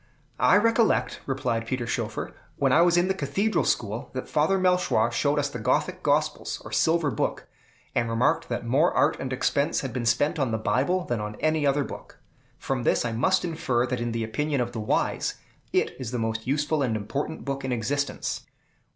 "I recollect," replied Peter Schoeffer, "when I was in the Cathedral school, that Father Melchoir showed us the Gothic Gospels, or Silver Book, and remarked that more art and expense had been spent on the Bible than on any other book. From this I must infer that in the opinion of the wise, it is the most useful and important book in existence."